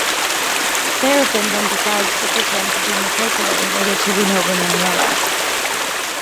Serafin then decides to pretend to be Macoco in order to win over Manuela.